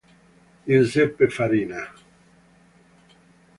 Giuseppe Farina